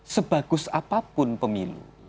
sebagus apapun pemilu